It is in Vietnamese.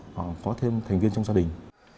giúp thêm thành viên trong gia đình